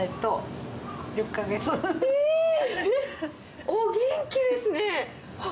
えー、お元気ですね。